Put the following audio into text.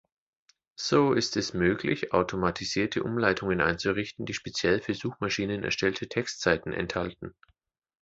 So ist es möglich, automatisierte Umleitungen einzurichten, die speziell für Suchmaschinen erstellte Textseiten enthalten.